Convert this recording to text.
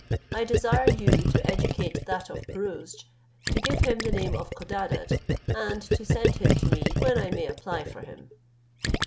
I desire you to educate that of Pirouzč, to give him the name of Codadad, and to send him to me when I may apply for him."